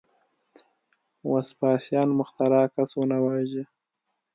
وسپاسیان مخترع کس ونه واژه.